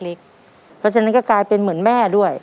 เพราะฉะนั้นก็กลายเป็นเหมือนแม่ด้วย